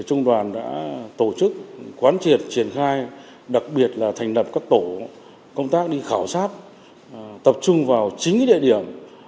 trung đoàn đã tổ chức quán triệt triển khai đặc biệt là thành lập các tổ công tác đi khảo sát tập trung vào chính địa điểm